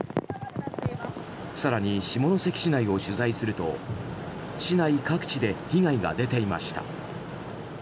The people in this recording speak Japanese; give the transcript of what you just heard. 更に、下関市内を取材すると市内各地で被害が出ていました。